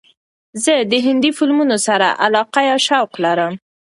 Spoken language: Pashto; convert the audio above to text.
زه د هندې فیلمونو سره علاقه یا شوق لرم.